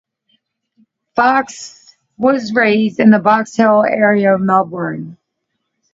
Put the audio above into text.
Fox was raised in the Box Hill area of Melbourne.